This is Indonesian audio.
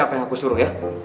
apa yang aku suruh ya